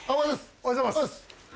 おはようございます。